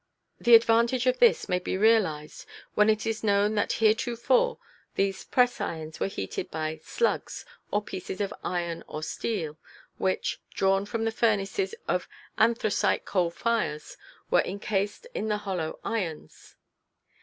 The advantage of this may be realized when it is known that heretofore these press irons were heated by "slugs" or pieces of iron or steel, which, drawn from the furnaces of anthracite coal fires, were encased in the hollow irons.